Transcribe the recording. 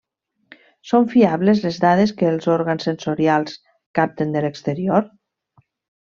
Són fiables les dades que els òrgans sensorials capten de l'exterior?